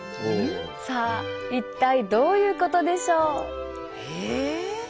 さあ一体どういうことでしょう。